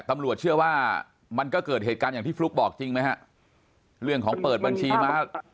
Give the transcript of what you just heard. ตำรวจเชื่อว่ามันก็เกิดเหตุการณ์อย่างที่ฟลุ๊กบอกจริงไหมฮะเรื่องของเปิดบัญชีม้า